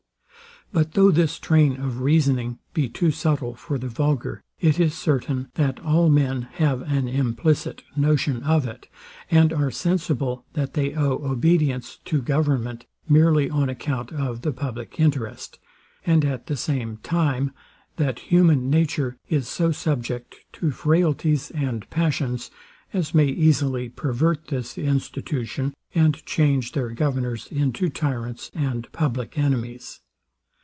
But though this train of reasoning be too subtile for the vulgar, it is certain, that all men have an implicit notion of it, and are sensible, that they owe obedience to government merely on account of the public interest; and at the same time, that human nature is so subject to frailties and passions, as may easily pervert this institution, and change their governors into tyrants and public enemies.